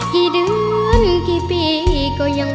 กี่เดือนกี่ปีก็ยัง